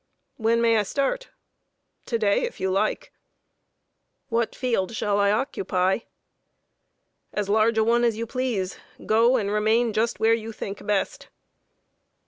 "When may I start?" "To day, if you like." "What field shall I occupy?" "As large a one as you please. Go and remain just where you think best."